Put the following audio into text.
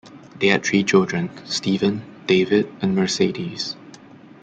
They had three children, Steven, David and Mercedes.